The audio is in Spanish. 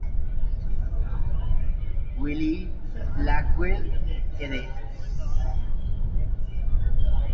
Wiley-Blackwell, ed.